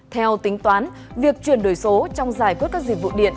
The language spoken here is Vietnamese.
theo tính toán việc chuyển đổi số trong giải quyết các dịch vụ điện